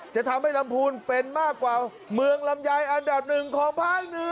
จะทำให้ลำพูนเป็นมากกว่าเมืองลำไยอันดับหนึ่งของภาคเหนือ